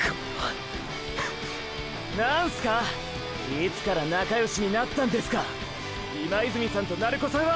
いつから仲良しになったんですか今泉さんと鳴子さんは！！